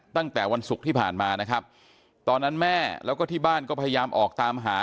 ตั้งแต่วันศุกร์ที่ผ่านมานะครับตอนนั้นแม่แล้วก็ที่บ้านก็พยายามออกตามหา